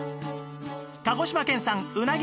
鹿児島県産うなぎ１２